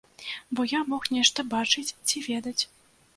Бо я мог нешта бачыць ці ведаць.